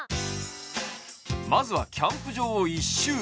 まずはキャンプ場を一周。